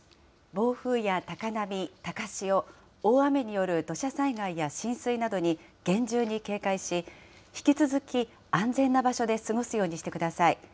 暴風や高波、高潮、大雨による土砂災害や浸水などに厳重に警戒し、引き続き安全な場所で過ごすようにしてください。